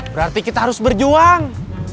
berarti kita harus berjuang